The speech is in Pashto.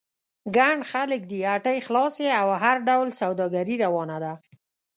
ګڼ خلک دي، هټۍ خلاصې او هر ډول سوداګري روانه ده.